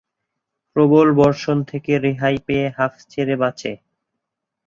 প্রবল বর্ষণ থেকে রেহাই পেয়ে হাফ ছেড়ে বাঁচে।